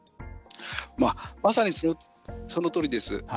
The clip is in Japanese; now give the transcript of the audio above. まさに、そのとおりです。